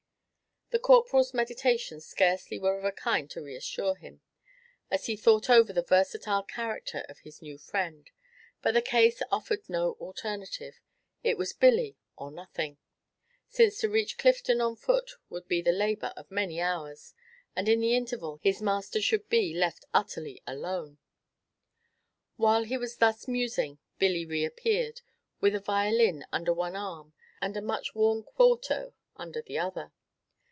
The Corporal's meditations scarcely were of a kind to reassure him, as he thought over the versatile character of his new friend; but the case offered no alternative it was Billy or nothing since to reach Clifden on foot would be the labor of many hours, and in the interval his master should be left utterly alone. While he was thus musing, Billy reappeared, with a violin under one arm and a much worn quarto under the other.